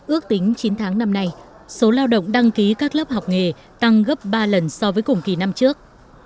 ước tính chín tháng năm nay số lao động đăng ký các lớp học nghề tăng gấp ba lần so với cùng kỳ năm trước